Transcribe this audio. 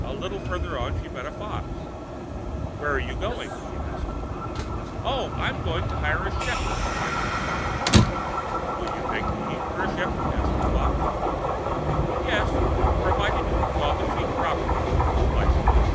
A little farther on she met a Fox. "Where are you going?" asked he. "Oh, I'm only going to hire a shepherd," answered the woman. "Will you take me for a shepherd?" asked the Fox. "Yes, provided you can but call the sheep properly," replied the woman.